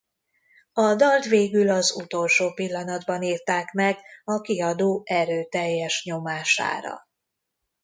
A dalt végül az utolsó pillanatban írták meg a kiadó erőteljes nyomására.